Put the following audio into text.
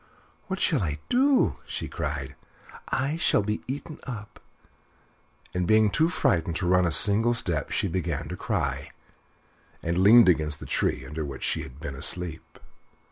"What shall I do?" she cried; "I shall be eaten up," and being too frightened to run a single step, she began to cry, and leaned against the tree under which she had been asleep.